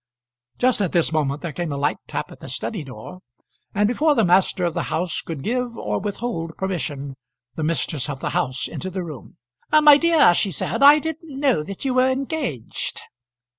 Just at this moment there came a light tap at the study door, and before the master of the house could give or withhold permission the mistress of the house entered the room. "My dear," she said, "I didn't know that you were engaged."